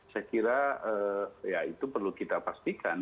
saya kira ya itu perlu kita pastikan